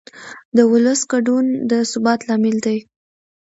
د ولس ګډون د ثبات لامل دی